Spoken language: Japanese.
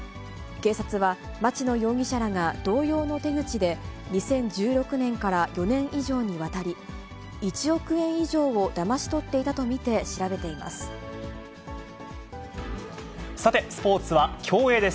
警察は、町野容疑者らが同様の手口で、２０１６年から４年以上にわたり、１億円以上をだまし取っていたと見て調べています。